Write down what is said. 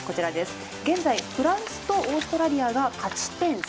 現在、フランスとオーストラリアが勝ち点３。